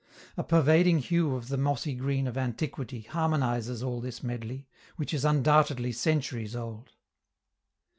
A pervading hue of the mossy green of antiquity harmonizes all this medley, which is undoubtedly centuries old.